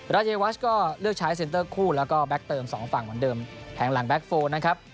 รายวัชก็เลือกใช้เซ็นเตอร์คู่แล้วก็แก๊กเติมสองฝั่งเหมือนเดิมแผงหลังแบ็คโฟนะครับ